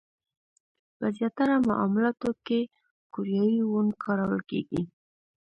په زیاتره معاملاتو کې کوریايي وون کارول کېږي.